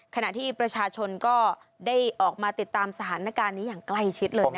ขณะที่ประชาชนก็ได้ออกมาติดตามสถานการณ์นี้อย่างใกล้ชิดเลยนะคะ